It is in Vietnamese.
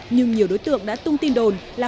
nhưng nhiều đối tượng đã tung tin đồn là